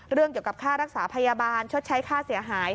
เรื่องเกี่ยวกับค่ารักษาพยาบาลชดใช้ค่าเสียหาย